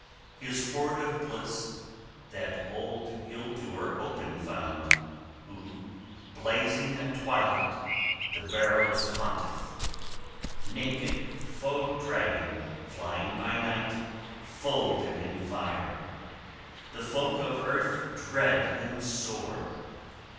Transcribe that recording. His hoard of bliss that old ill doer open found, who, blazing at twilight the barrows haunteth, naked foe dragon flying by night folded in fire: the folk of earth dread him sore.